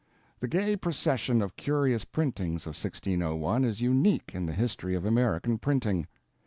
The gay procession of curious printings of 1601 is unique in the history of American printing.